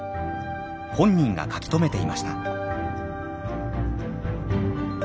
本人が書き留めていました。